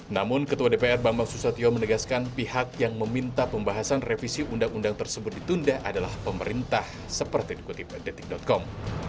namun ketua dpr bambang susatyo menegaskan pihak yang meminta pembahasan revisi undang undang tersebut ditunda adalah pemerintah seperti dikutip detik com